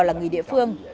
là người địa phương